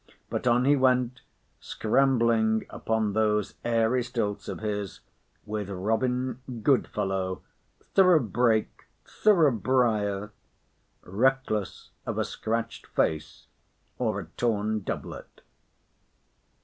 But on he went, scrambling upon those airy stilts of his, with Robin Good Fellow, "thorough brake, thorough briar," reckless of a scratched face or a torn doublet.